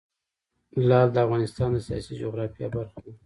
لعل د افغانستان د سیاسي جغرافیه برخه ده.